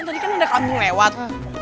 itu tadi kan udah kami lewat